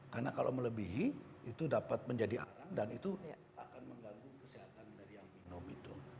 karena kalau melebihi itu dapat menjadi arang dan itu akan mengganggu kesehatan dari yang minum itu